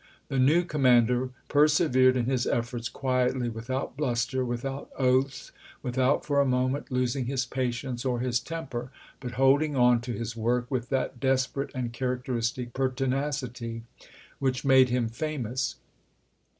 The new com mander persevered in his efforts quietly, without bluster, without oaths, without for a moment los ing his patience or his temper, but holding on to his work with that desperate and characteristic pertinacity which made him famous.